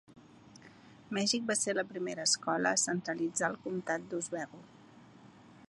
Mèxic va ser la primera escola a centralitzar el comtat d'Oswego.